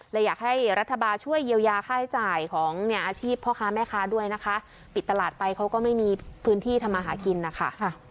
อยากให้รัฐบาลช่วยเยียวยาค่าใช้จ่ายของเนี่ยอาชีพพ่อค้าแม่ค้าด้วยนะคะปิดตลาดไปเขาก็ไม่มีพื้นที่ทำมาหากินนะคะ